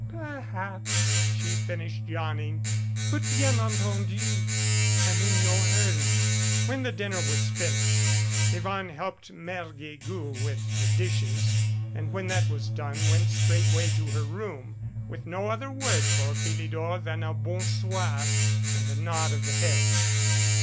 "Perhaps," she finished, yawning. "But, bien entendu, I'm in no hurry." When the dinner was finished, Yvonne helped Mere Guegou with the dishes, and when that was done went straightway to her room, with no other word for Philidor than a "Bon soir," and a nod of the head.